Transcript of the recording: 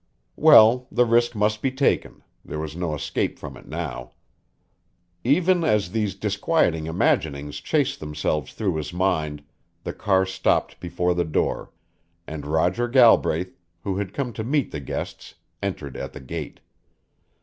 Well, the risk must be taken; there was no escape from it now. Even as these disquieting imaginings chased themselves through his mind, the car stopped before the door and Roger Galbraith, who had come to meet the guests, entered at the gate.